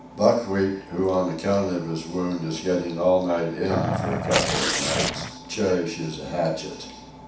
Buckwheat, who on account of his wound is getting all night in for a couple of nights, cherishes a hatchet.